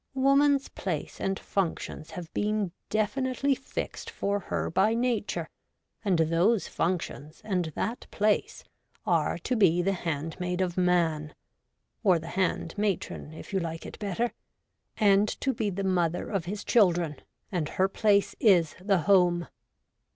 Woman's /place and functions have been definitely fixed for her by nature, and those functions and that place are to be the handmaid of man (or the handmatron if you like it better), and to be the mother of his children ; and her place is the home.